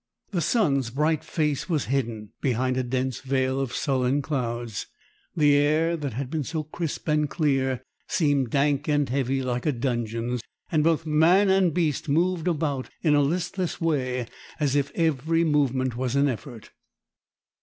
The sun's bright face was hidden behind a dense veil of sullen clouds; the air, that had been so crisp and clear, seemed dank and heavy like a dungeon's; and both man and beast moved about in a listless way, as if every movement was an effort.